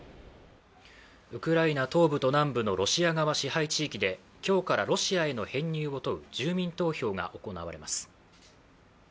ウクライナ東部と南部のロシア側支配地域で今日からロシアへの編入を問う住民投票が行われます。